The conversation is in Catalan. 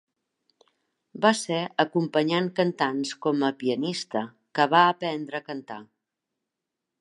Va ser acompanyant cantants com a pianista que va aprendre a cantar.